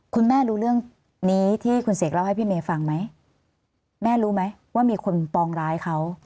คุณแม่รู้เรื่องนี้ที่คุณเสกเล่าให้พี่เมย์ฟังไหมแม่รู้ไหมว่ามีคนปองร้ายเขา